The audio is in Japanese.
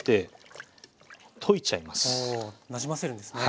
なじませるんですね。